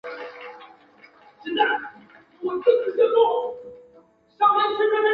老圣母教堂是意大利北部城市维罗纳的一座罗马天主教教堂。